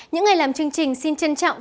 những người làm chương trình xin trân trọng